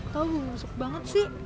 tahu bau busuk banget sih